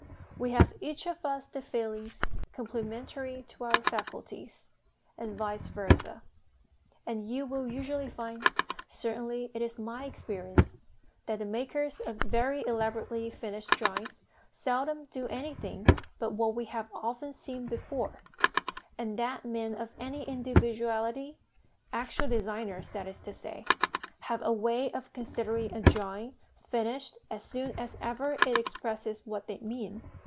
We have each of us the failings complementary to our faculties, and vice versâ; and you will usually find certainly it is my experience that the makers of very elaborately finished drawings seldom do anything but what we have often seen before; and that men of any individuality, actual designers that is to say, have a way of considering a drawing finished as soon as ever it expresses what they mean.